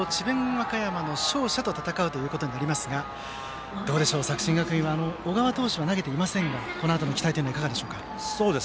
和歌山の勝者と戦うことになりますがどうでしょう、作新学院は小川投手が投げていませんがこのあとへの期待はいかがでしょうか。